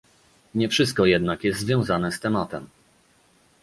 Nie wszystko jednak jest związane z tematem